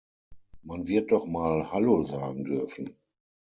Man wird doch mal hallo sagen dürfen.